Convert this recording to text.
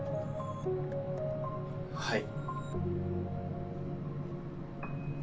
はい。